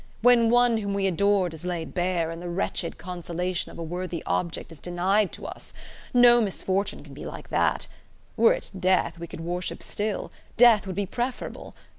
when one whom we adored is laid bare, and the wretched consolation of a worthy object is denied to us. No misfortune can be like that. Were it death, we could worship still. Death would be preferable.